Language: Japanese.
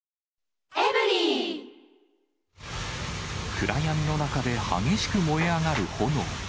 暗闇の中で激しく燃え上がる炎。